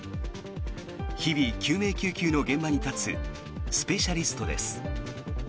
日々、救命救急の現場に立つスペシャリストです。